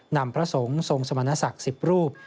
พระสงฆ์ทรงสมณศักดิ์๑๐รูป